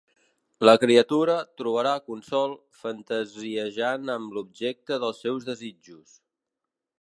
La criatura trobarà consol fantasiejant amb l'objecte dels seus desitjos.